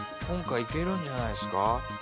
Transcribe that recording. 今回いけるんじゃないすか？